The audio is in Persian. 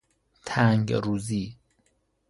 تنگروزی